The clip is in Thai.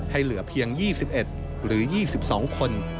เหลือเพียง๒๑หรือ๒๒คน